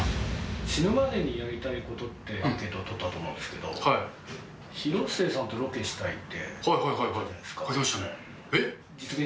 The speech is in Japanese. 死ぬまでにやりたいことってアンケート取ったと思うんですけど、広末さんとロケしたいって。